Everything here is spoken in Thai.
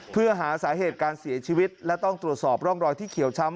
เพื่อหาสาเหตุการเสียชีวิตและต้องตรวจสอบร่องรอยที่เขียวช้ำ